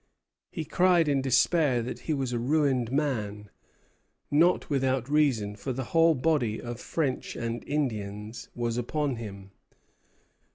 He cried in despair that he was a ruined man; not without reason, for the whole body of French and Indians was upon him.